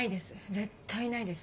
絶対ないです。